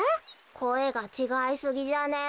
こえがちがいすぎじゃね？